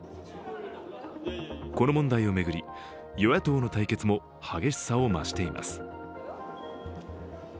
この問題を巡り、与野党の対決も激しさを増しています。